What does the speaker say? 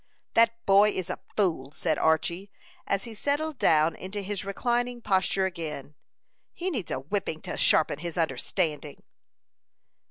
"That boy is a fool!" said Archy, as he settled down into his reclining posture again. "He needs a whipping to sharpen his understanding."